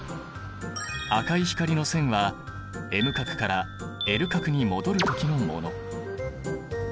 赤い光の線はＭ殻からＬ殻に戻る時のもの。